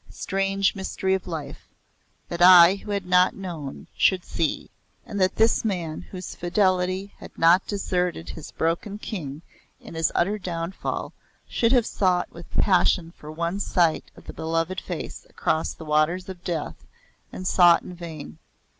Strange mystery of life that I who had not known should see, and that this man whose fidelity had not deserted his broken King in his utter downfall should have sought with passion for one sight of the beloved face across the waters of death and sought in vain.